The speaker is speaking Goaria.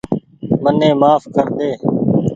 مني مهاڦ ڪر ۮي